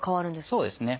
そうですね。